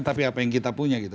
tapi apa yang kita punya gitu